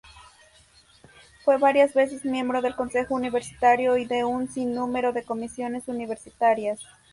Fue varias veces miembro del Consejo Universitario y de un sinnúmero de comisiones universitarias.